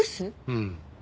うん。